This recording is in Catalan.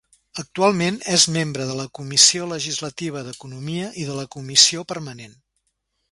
Actualment és membre de la Comissió Legislativa d'Economia i de la Comissió Permanent.